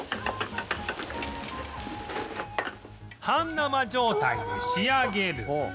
半生状態で仕上げる